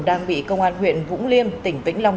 đang bị công an huyện vũng liêm tỉnh vĩnh long